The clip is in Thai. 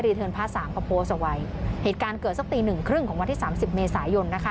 เทิร์นภาคสามเขาโพสต์เอาไว้เหตุการณ์เกิดสักตีหนึ่งครึ่งของวันที่สามสิบเมษายนนะคะ